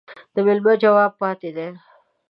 د ميلمه جواب پاتى دى.